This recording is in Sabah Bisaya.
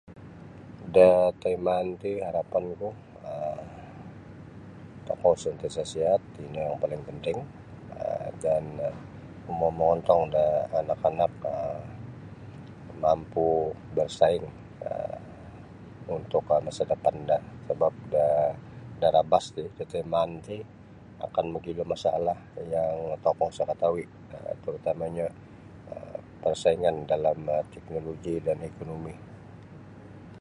Da taimaan ti arapanku um tokou sentiasa sihat ino yang paling penting um dan oku mau mongontong anak-anak mampu bersaing untuk masa depan do da rabas taimaan ti akan mogilo masalah yang tokou sa ketahui um terutamanya persaingan dalam teknoloji dan ekonomi.